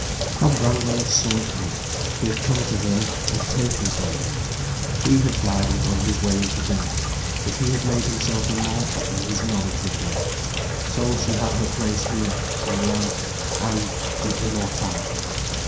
Tom Brangwen had served her. He had come to her, and taken from her. He had died and gone his way into death. But he had made himself immortal in his knowledge with her. So she had her place here, in life, and in immortality.